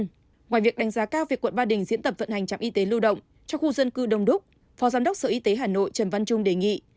ngoài việc đánh giá cao việc quận ba đình diễn tập vận hành trạm y tế lưu động cho khu dân cư đông đúc phó giám đốc sở y tế hà nội trần văn trung đề nghị